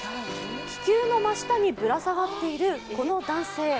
気球の真下にぶら下がっているこの男性。